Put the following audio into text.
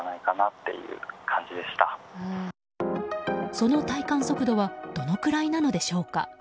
その体感速度はどのくらいなのでしょうか。